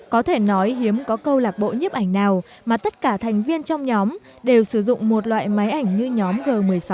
có thể nói hiếm có câu lạc bộ nhiếp ảnh nào mà tất cả thành viên trong nhóm đều sử dụng một loại máy ảnh như nhóm g một mươi sáu